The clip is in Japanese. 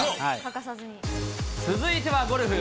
続いては、ゴルフ。